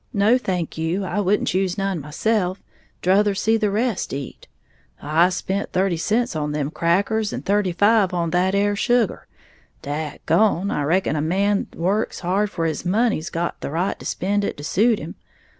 No thank you, I wouldn't choose none myself, 'druther see the rest eat! I spent thirty cents on them crackers, and thirty five on that 'ere sugar, dag gone, I reckon a man't works hard for his money's got the right to spend it to suit him!